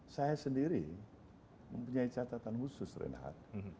saya sendiri mempunyai catatan khusus reinhardt